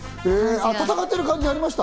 戦ってる感じありました？